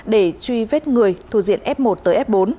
để truy vết người thuộc diện f một tới f bốn